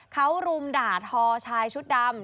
เขารุมด่าทอชายชุดดำ